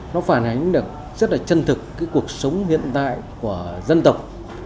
nó phản ánh được rất là chân thực cái cuộc sống hiện đại của dân tộc